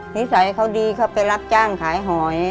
นิสัยเขาดีเขาไปรับจ้างขายหอย